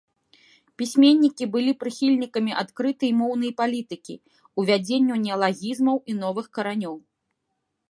Пісьменнікі былі прыхільнікамі адкрытай моўнай палітыкі, увядзенню неалагізмаў і новых каранёў.